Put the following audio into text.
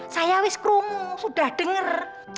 saya wis krumu sudah dengar